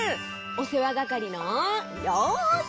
おせわがかりのようせい！